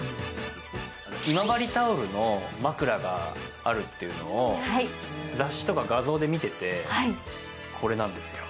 今治タオルの枕があるっていうのを雑誌とか画像で見ててこれなんですよ。